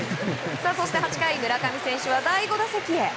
そして８回村上選手は第５打席へ。